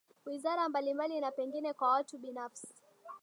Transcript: wizara mbalimbali na pengine kwa watu binafsi